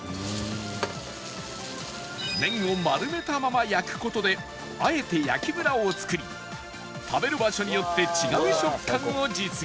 麺を丸めたまま焼く事であえて焼きムラを作り食べる場所によって違う食感を実現